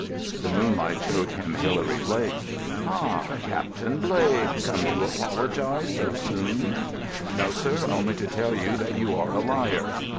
The moonlight showed him Hilary Blake. "Ah, Captain Blake, come to apologise so soon!" "No, sir, only to tell you that you are a liar."